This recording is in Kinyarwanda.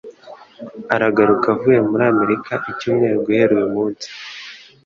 Aragaruka avuye muri Amerika icyumweru guhera uyu munsi.